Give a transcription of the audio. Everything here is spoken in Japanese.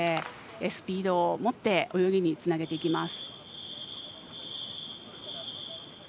スピードをもって泳ぎにつなげていきます。